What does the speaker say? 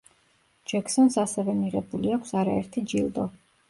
ჯექსონს ასევე მიღებული აქვს არაერთი ჯილდო.